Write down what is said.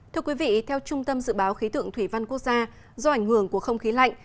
thưa quý vị theo trung tâm dự báo khí tượng thủy văn quốc gia do ảnh hưởng của không khí lạnh